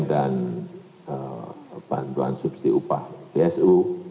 dan bantuan subsidi upah psu